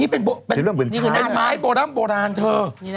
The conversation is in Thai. เป็นไม้โบราณเท่าไร